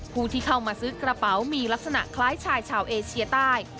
ผู้ที่เข้ามาซื้อกระเป๋ามีลักษณะคล้ายชายชาวเอเชียใต้